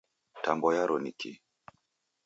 Tambo yaro nikii?